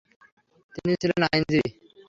তিনি ছিলেন আইনজীবী।